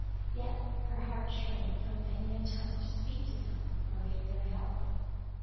Yet her heart shrank from any attempt to speak to them or beg their help.